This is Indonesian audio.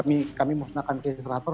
ini musnahkan insinerator